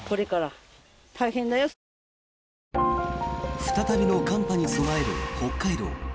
再びの寒波に備える北海道。